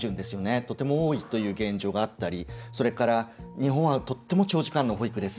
とても多いという現状があったり日本はとても長時間保育です。